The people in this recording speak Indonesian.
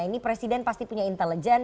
ini presiden pasti punya intelijen